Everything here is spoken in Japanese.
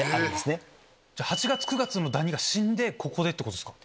８月９月のダニが死んでここでってことですか？